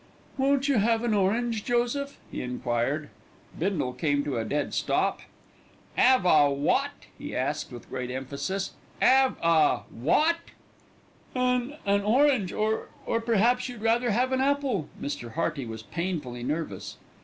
"Won't you have an orange, Joseph?" he enquired. Bindle came to a dead stop. "'Ave a wot?" he asked with great emphasis. "'Ave a wot?" "An an orange, or or perhaps you'd sooner have an apple?" Mr. Hearty was painfully nervous.